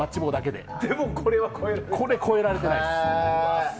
でもこれは超えられてないです。